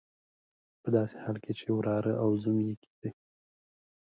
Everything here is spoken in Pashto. په داسې حال کې چې وراره او زوم یې کېدی.